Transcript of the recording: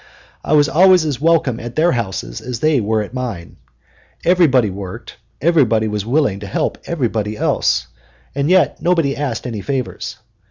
I was always as welcome at their houses as they were at mine. Everybody worked, everybody was willing to help everybody else, and yet nobody asked any favors.